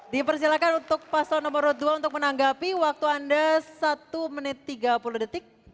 dipersilakan untuk paslon nomor dua untuk menanggapi waktu anda satu menit tiga puluh detik